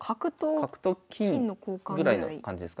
角と金ぐらいの感じですかね。